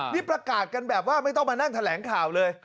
นี่ประกาศกันแบบว่าไม่ต้องมานั่งแถลงข่าวเลย